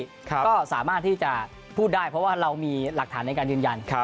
ก็สามารถที่จะพูดได้เพราะว่าเรามีหลักฐานในการยืนยัน